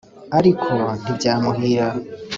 ariko ntibyamuhira